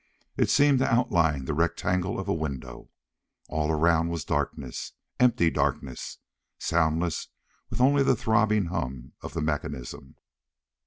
It seemed to outline the rectangle of a window. All around was darkness. Empty darkness. Soundless, with only the throbbing hum of the mechanism....